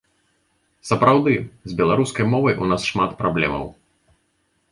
Сапраўды, з беларускай мовай у нас шмат праблемаў.